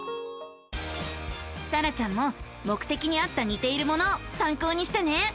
さらちゃんももくてきにあったにているものをさんこうにしてね。